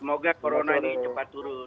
semoga corona ini cepat turun